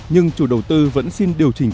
nhưng chủ đầu tư vẫn xin điều chỉnh